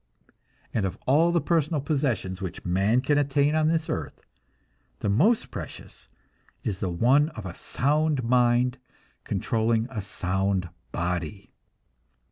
And of all the personal possessions which man can attain on this earth, the most precious is the one of a sound mind controlling a sound body.